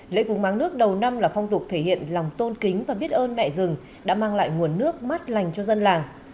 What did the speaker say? lễ cúng máng nước đầu năm là phong tục thể hiện lòng tôn kính và biết ơn mẹ rừng đã mang lại nguồn nước mát lành cho dân làng